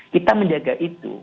kita menjaga itu